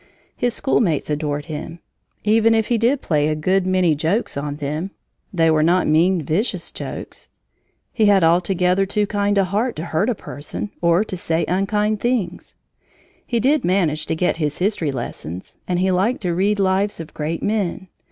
His schoolmates adored him. Even if he did play a good many jokes on them, they were not mean, vicious jokes. He had altogether too kind a heart to hurt a person or to say unkind things. He did manage to get his history lessons, and he liked to read lives of great men.